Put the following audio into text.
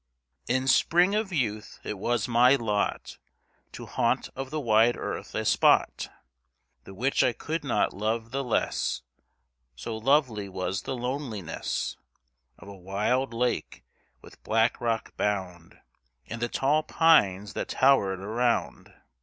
In spring of youth it was my lot To haunt of the wide world a spot The which I could not love the less So lovely was the loneliness Of a wild lake, with black rock bound, And the tall pines that towered around.